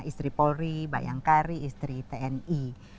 istri polri bayangkari istri tni